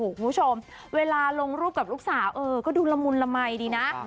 คุณผู้ชมเวลาลงรูปกับลูกสาวเออก็ดูละมุนละมัยดีนะ